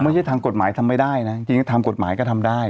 ทางกฎหมายทำไม่ได้นะจริงทางกฎหมายก็ทำได้